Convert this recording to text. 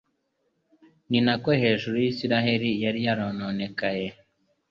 Ni nako hejuru y'Isirayeli yari yarononekaye,